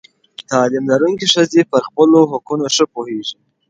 تعلیم لرونکې ښځې پر خپلو حقونو ښه پوهېږي.